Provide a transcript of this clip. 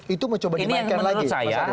itu mencoba dimainkan lagi pak saryo